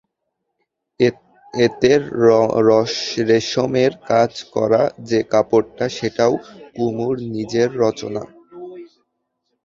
এতে রেশমের কাজ-করা যে পাড়টা সেটাও কুমুর নিজের রচনা।